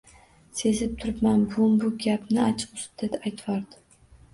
Sezib turibman, buvim bu gapni achchiq ustida aytvordi